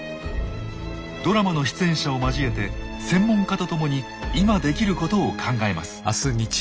ドラマの出演者を交えて専門家と共に今できることを考えます。